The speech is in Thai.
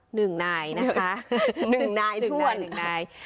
หนึ่งนายนะคะหนึ่งนายหนึ่งด้วยหนึ่งนาย